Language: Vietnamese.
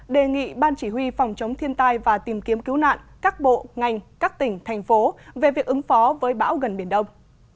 đề nghị ban chỉ huy phòng chống thiên tai và tìm kiếm cứu nạn các bộ ngành các tỉnh thành phố về việc ứng phó với bão gần biển đông